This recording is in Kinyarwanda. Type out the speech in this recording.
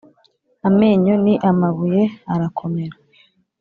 Amenyo ni amabuye arakomera